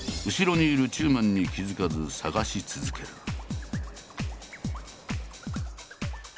後ろにいる中馬に気付かず探し続ける。